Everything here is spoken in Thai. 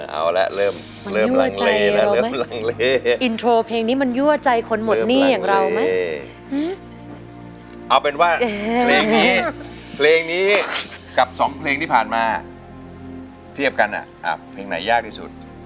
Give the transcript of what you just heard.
เอาละเริ่มลังเลแล้วเริ่มลังเลอินโทรเพลงนี้มันยั่วใจคนหมดหนี้อย่างเราไหมเอาเป็นว่าเพลงนี้เพลงนี้กับสองเพลงที่ผ่านมาเทียบกันอ่ะเพลงไหนยากที่สุด